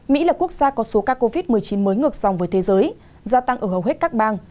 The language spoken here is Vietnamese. mỹ là quốc gia có số ca covid một mươi chín mới ngược dòng với thế giới gia tăng ở hầu hết các bang